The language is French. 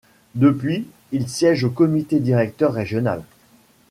Depuis, il siège au comité directeur régional.